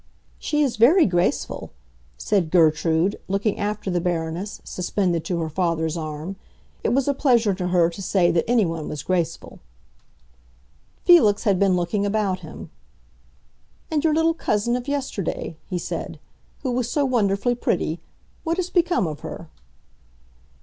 "She is very graceful," said Gertrude, looking after the Baroness, suspended to her father's arm. It was a pleasure to her to say that anyone was graceful. Felix had been looking about him. "And your little cousin, of yesterday," he said, "who was so wonderfully pretty—what has become of her?"